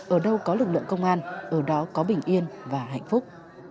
ở đâu có lực lượng công an ở đó có bình yên và hạnh phúc